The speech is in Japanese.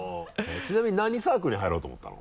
ちなみに何サークルに入ろうと思ったの？